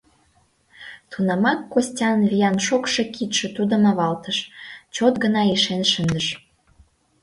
Тунамак Костян виян шокшо кидше тудым авалтыш, чот гына ишен шындыш.